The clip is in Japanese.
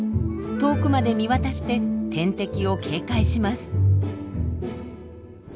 遠くまで見渡して天敵を警戒します。